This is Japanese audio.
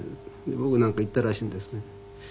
僕なんか言ったらしいんですね。